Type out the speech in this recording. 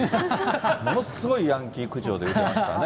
ものすごいヤンキー口調で言うてましたね。